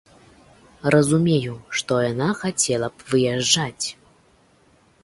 Разумею, што яна хацела б выязджаць.